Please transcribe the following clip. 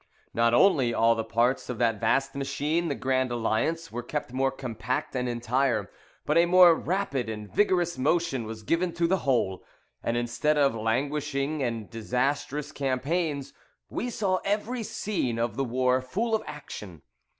Not only all the parts of that vast machine, the Grand Alliance, were kept more compact and entire; but a more rapid and vigorous motion was given to the whole; and instead of languishing and disastrous campaigns, we saw every scene of the war full of action.